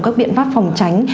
các biện pháp phòng tránh